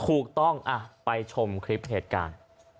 ถูกต้องไปชมคลิปเหตุการณ์